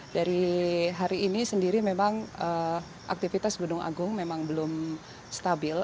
dari hari ini sendiri memang aktivitas gunung agung memang belum stabil